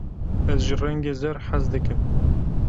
Ez ji rengê zer hez dikim.